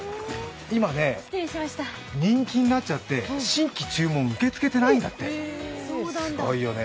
今、人気になっちゃって新規注文受け付けてないんだって、すごいよね